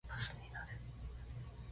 バスに乗る。